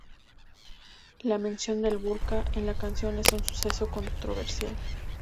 La mención del "burka" en la canción es un suceso controversial.